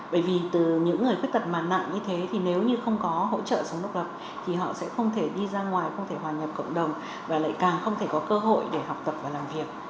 bởi vì từ những người khuyết tật mà nặng như thế thì nếu như không có hỗ trợ sống độc lập thì họ sẽ không thể đi ra ngoài không thể hòa nhập cộng đồng và lại càng không thể có cơ hội để học tập và làm việc